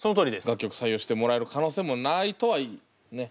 楽曲採用してもらえる可能性もないとはね。